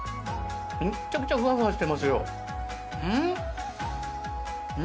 めちゃくちゃふわふわしてますよ。